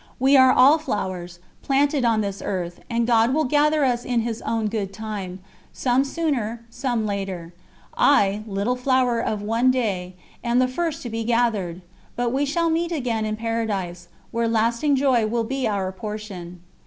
We are all flowers, planted on this earth, and God will gather us in His own good time some sooner, some later ... I, little flower of one day, am the first to be gathered! But we shall meet again in Paradise, where lasting joy will be our portion.